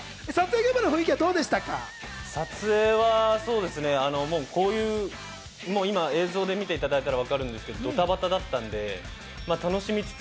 撮影現場の雰囲気撮影は、そうですね、今、映像で見ていただいたらわかるんですけど、ドタバタだったんで楽しみつつ。